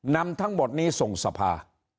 นำทั้งหมดนี้ส่งสภา